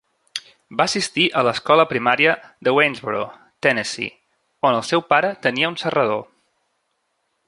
Va assistir a l'escola primària de Waynesboro, Tennessee, on el seu pare tenia un serrador.